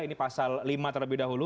ini pasal lima terlebih dahulu